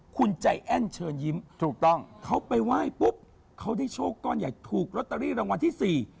คุณใจแอ้นเชิญยิ้มถูกต้องเขาไปไหว้ปุ๊บเขาได้โชคก้อนใหญ่ถูกลอตเตอรี่รางวัลที่สี่